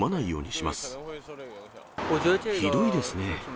ひどいですね。